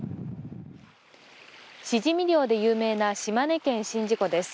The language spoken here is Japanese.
シジミ漁で有名な島根県宍道湖です。